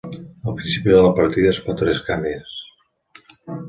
Al principi de la partida es pot arriscar més.